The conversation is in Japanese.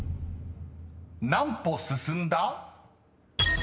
［何歩進んだ？］